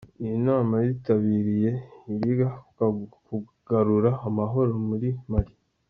Iyi nama yitabiriye iriga ku kugarura amahoro muri Mali.